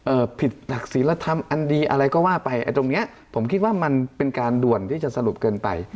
ผิดหลักศิลธรรมอันดีอะไรก็ว่าไปไอ้ตรงเนี้ยผมคิดว่ามันเป็นการด่วนที่จะสรุปเกินไป